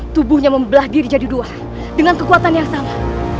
tubuhnya membelah diri jadi dua dengan kekuatan yang sama